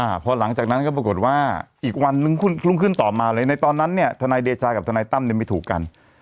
พอหลังจากนั้นก็ปรากฏว่าอีกวันนึงคุณรุ่งขึ้นต่อมาเลยในตอนนั้นเนี่ยทนายเดชากับทนายตั้มเนี่ยไม่ถูกกัน